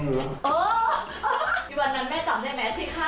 เออแม่ละหนูขึ้นรถไปแล้วแม่หลังติดแจงไหม